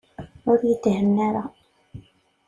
Ur yethenna ara.